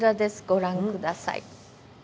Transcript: ご覧ください。